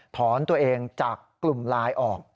ถอนตัวเองจากกลุ่มไลน์ออก